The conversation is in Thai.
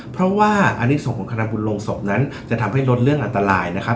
เพราะว่าอันนี้ส่งของคณะบุญลงศพนั้นจะทำให้ลดเรื่องอันตรายนะครับ